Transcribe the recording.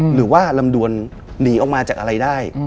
หรือว่าลำดวนหนีออกมาจากอะไรได้